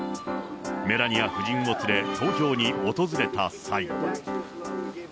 メラニア夫人を連れ、投票に訪れた際。